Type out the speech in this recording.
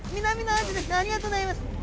南のアジですねありがとうございます。